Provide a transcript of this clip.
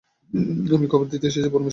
আমি খবর দিতে এসেছি, পরামর্শ দিতে চাই নে।